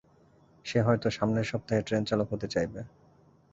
সে হয়ত সামনের সপ্তাহে ট্রেন চালক হতে চাইবে।